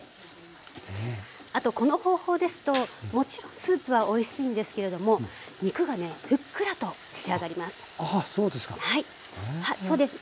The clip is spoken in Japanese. あとこの方法ですともちろんスープはおいしいんですけれども肉がねふっくらと仕上がります。